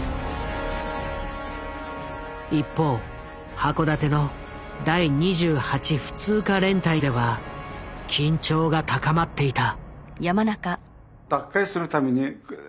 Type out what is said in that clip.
一方函館の第２８普通科連隊では緊張が高まっていた。